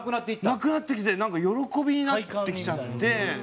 なくなってきてなんか喜びになってきちゃって。